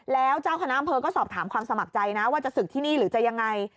แล้วเจ้าคณะอำเภอก็สอบถามความสมัครใจนะว่าจะศึกที่นี่หรือจะยังไง